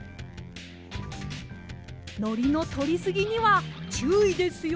のりのとりすぎにはちゅういですよ。